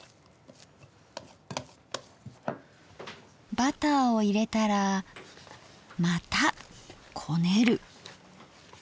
バターを入れたらまたこねる！